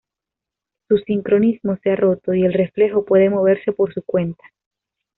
Su sincronismo se ha roto y el reflejo puede moverse por su cuenta.